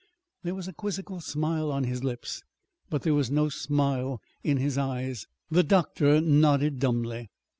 There was a quizzical smile on his lips, but there was no smile in his eyes. The doctor nodded dumbly.